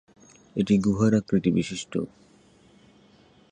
এটি গুহার আকৃতিবিশিষ্ট।